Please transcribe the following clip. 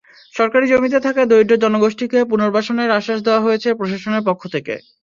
সরকারি জমিতে থাকা দরিদ্র জনগোষ্ঠীকে পুনর্বাসনের আশ্বাস দেওয়া হয়েছে প্রশাসনের পক্ষ থেকে।